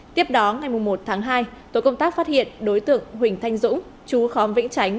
tiếp đó ngày một tháng hai tổ công tác phát hiện đối tượng huỳnh thanh dũng chú khóm vĩnh tránh